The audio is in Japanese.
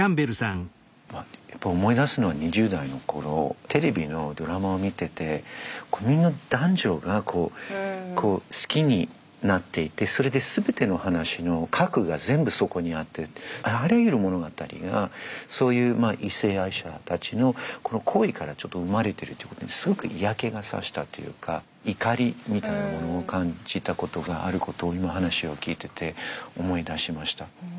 やっぱ思い出すのは２０代の頃テレビのドラマを見ててみんな男女がこう好きになっていてそれで全ての話の核が全部そこにあってあらゆる物語がそういう異性愛者たちの行為からちょっと生まれてるってことにすごく嫌気が差したというか怒りみたいなものを感じたことがあることを今話を聞いてて思い出しました。